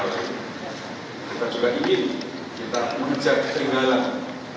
dalam menanggungkan pembangunan nasional kita kita tidak boleh setengah mundur tapi harus maju terus ke depan